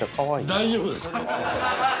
大丈夫ですか？